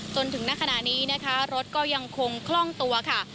จนถึงณขณะนี้นะคะรถก็ยังคงคล่องตัวค่ะ